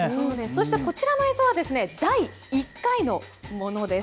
そしてこちらの映像は第１回のものです。